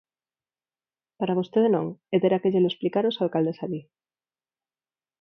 Para vostede non, e terá que llelo explicar aos alcaldes alí.